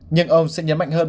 nhưng ông sẽ nhấn mạnh hơn